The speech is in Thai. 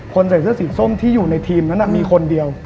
ใส่เสื้อสีส้มที่อยู่ในทีมนั้นมีคนเดียว